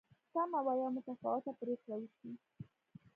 تمه وه یوه متفاوته پرېکړه وشي.